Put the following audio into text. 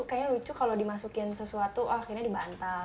kayaknya lucu kalau dimasukin sesuatu akhirnya di bantal